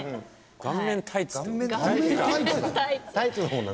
顔面タイツなの？